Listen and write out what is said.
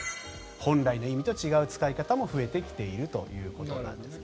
本来の意味と違う使い方も増えてきているということなんですが。